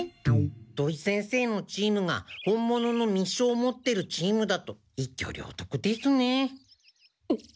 土井先生のチームが本物の密書を持ってるチームだと一挙両得ですねえ。